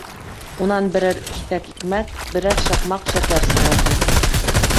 Унан берәр киҫәк икмәк, берәр шаҡмаҡ шәкәр сығарҙы.